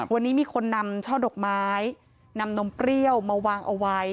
วันนี้มีคนนำช่อดอกไม้นำนมเปรี้ยวมาวางเอาไว้